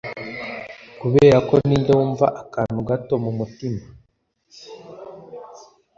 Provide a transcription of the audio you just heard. kuberako ninde wumva akantu gato mumutima